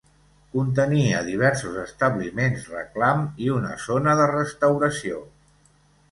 Contenia diversos establiments reclam i una zona de restauració.